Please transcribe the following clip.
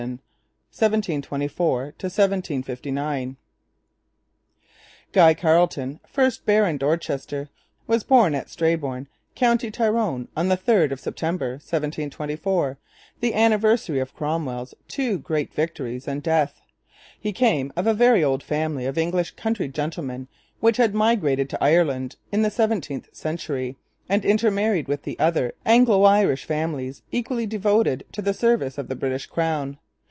'NUNC DIMITTIS,' 1796 1808 BIBLIOGRAPHICAL NOTE CHAPTER I GUY CARLETON 1724 1759 Guy Carleton, first Baron Dorchester, was born at Strabane, County Tyrone, on the 3rd of September 1724, the anniversary of Cromwell's two great victories and death. He came of a very old family of English country gentlemen which had migrated to Ireland in the seventeenth century and intermarried with other Anglo Irish families equally devoted to the service of the British Crown.